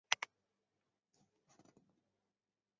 我的老天鹅啊